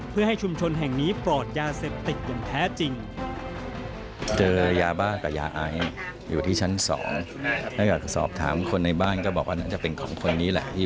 เพื่อให้ชุมชนแห่งนี้ปลอดยาเสพติด